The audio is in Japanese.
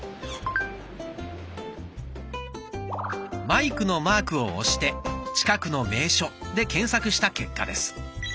マイクのマークを押して「近くの名所」で検索した結果です。